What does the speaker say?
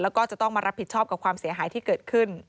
แล้วก็จะต้องมารับผิดชอบกับความเสียหายที่เกิดขึ้น